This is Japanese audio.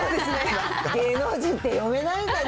芸能人って読めないんだね。